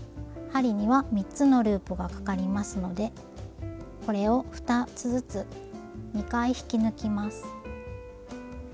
針には３つのループがかかりますのでこれを２つずつ２回引き抜きます。